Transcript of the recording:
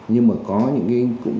nhưng mà có những khó khăn